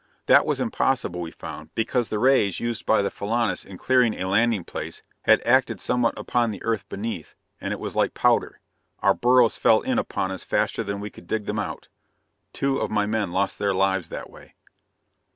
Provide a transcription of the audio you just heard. That was impossible, we found, because the rays used by the Filanus in clearing a landing place had acted somewhat upon the earth beneath, and it was like powder. Our burrows fell in upon us faster than we could dig them out! Two of my men lost their lives that way.